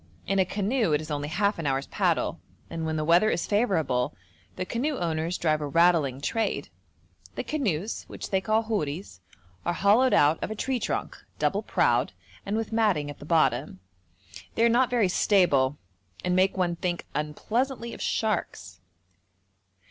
In a canoe it is only half an hour's paddle, and when the weather is favourable the canoe owners drive a rattling trade. The canoes, which they call houris, are hollowed out of a tree trunk, double prowed, and with matting at the bottom. They are not very stable and make one think unpleasantly of sharks.